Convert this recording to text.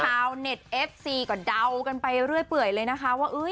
คาวน์เน็ตเอฟซีก็เดาไปเรื่อยเลยนะคะว่า